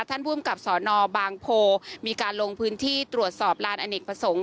ท่านผู้อุ้มกับสอนอบางโพมีการลงพื้นที่ตรวจสอบร้านอเนกประสงค์